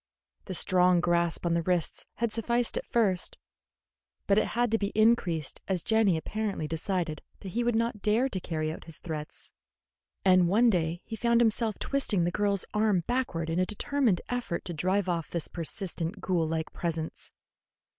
The strong grasp on the wrists had sufficed at first, but it had to be increased as Jenny apparently decided that he would not dare to carry out his threats, and one day he found himself twisting the girl's arm backward in a determined effort to drive off this persistent ghoul like presence.